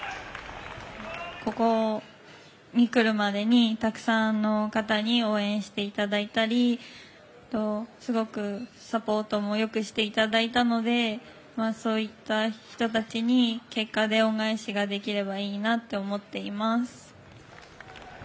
ここに来るまでに、たくさんの方に応援していただいたりすごくサポートもよくしていただいたのでそういった人たちに、結果で恩返しができればいいなと思っています。